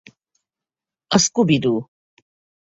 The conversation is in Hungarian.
A Scooby-Doo!